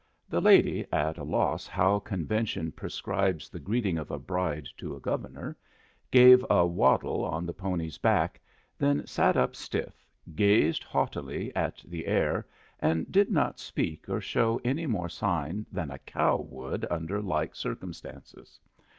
The lady, at a loss how convention prescribes the greeting of a bride to a Governor, gave a waddle on the pony's back, then sat up stiff, gazed haughtily at the air, and did not speak or show any more sign than a cow would under like circumstances.